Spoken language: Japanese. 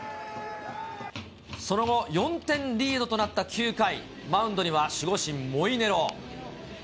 その後、４点リードとなった９回、マウンドには、守護神、モイネロ。